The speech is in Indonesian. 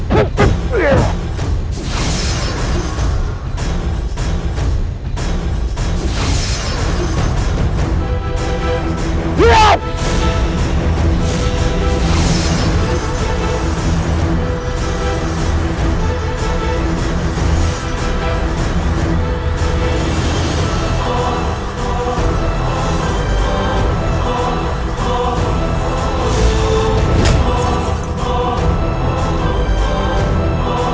kau akan menyerah